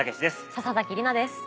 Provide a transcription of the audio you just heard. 笹崎里菜です。